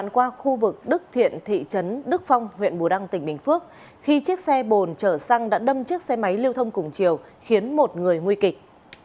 qua khu vực đức thiện thị trấn đức phong huyện bù đăng tỉnh bình phước khi chiếc xe bồn chở xăng đã đâm chiếc xe máy lưu thông cùng chiều khiến một người nguy kịch